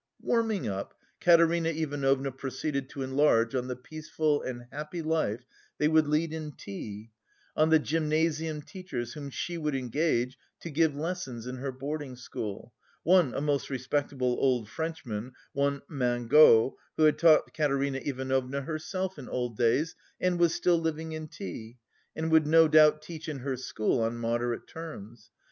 Warming up, Katerina Ivanovna proceeded to enlarge on the peaceful and happy life they would lead in T , on the gymnasium teachers whom she would engage to give lessons in her boarding school, one a most respectable old Frenchman, one Mangot, who had taught Katerina Ivanovna herself in old days and was still living in T , and would no doubt teach in her school on moderate terms.